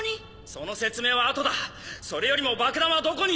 その説明は後だそれよりも爆弾はどこに？